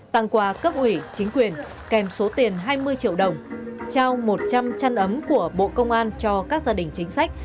tặng quà cấp ủy chính quyền kèm số tiền hai mươi triệu đồng trao một trăm linh chăn ấm của bộ công an cho các gia đình chính sách